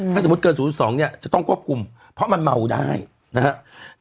ถ้าสมมุติเกิน๐๒เนี่ยจะต้องควบคุมเพราะมันเมาได้นะครับ